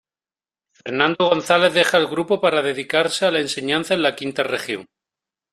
Fernando González deja el grupo para dedicarse a la enseñanza en la V Región.